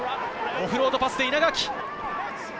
オフロードパスで稲垣。